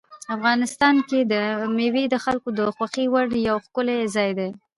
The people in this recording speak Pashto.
افغانستان کې مېوې د خلکو د خوښې وړ یو ښکلی ځای دی.